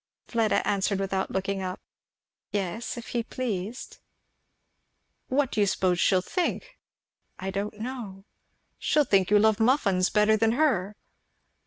Fleda answered without looking up, "Yes, if he pleased." "What do you suppose she will think?" "I don't know." "She will think that you love muffins better than her."